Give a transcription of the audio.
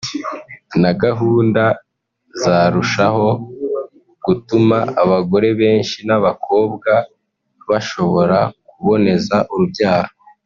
na gahunda zarushaho gutuma abagore benshi n’ abakobwa bashobora kuboneza urubyaro